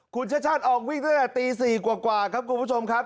คุณชาติชาติออกวิ่งตั้งแต่ตี๔กว่าครับคุณผู้ชมครับ